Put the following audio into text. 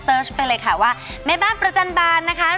ชไปเลยค่ะว่าแม่บ้านประจันบาลนะคะ